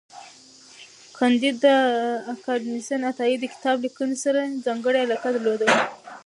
کانديد اکاډميسن عطایي د کتاب لیکنې سره ځانګړی علاقه درلوده.